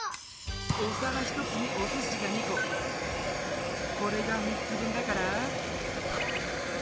おさら１つにおすしが２ここれが３つ分だから。